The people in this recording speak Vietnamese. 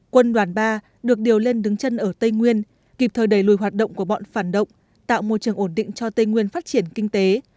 quân đoàn ba được điều lên đứng chân ở tây nguyên kịp thời đầy lùi hoạt động của bọn phản động tạo môi trường ổn định cho tây nguyên phát triển kinh tế